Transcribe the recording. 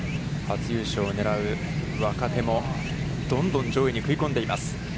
初優勝を狙う若手も、どんどん上位に食い込んでいます。